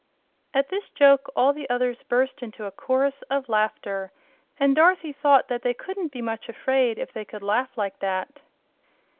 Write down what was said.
At this joke all the others burst into a chorus of laughter, and Dorothy thought they couldn't be much afraid if they could laugh like that.